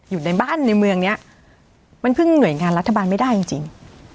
อยู่ในบ้านในเมืองนี้มันพึ่งหน่วยงานรัฐบาลไม่ได้จริง